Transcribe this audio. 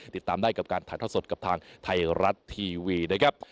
ติดตามได้กับการถ่ายทอดสดกับทางไทยรัฐทีวีนะครับ